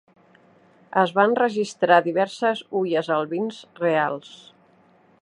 Es van registrar diverses huies albins reals.